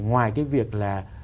ngoài cái việc là